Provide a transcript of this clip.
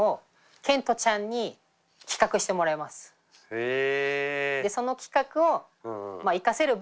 へえ！